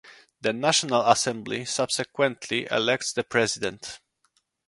The National Assembly subsequently elects the President.